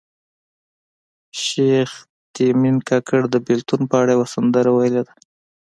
شیخ تیمن کاکړ د بیلتون په اړه یوه سندره ویلې ده